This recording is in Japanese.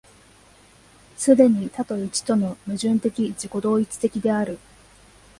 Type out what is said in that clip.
既に多と一との矛盾的自己同一的である。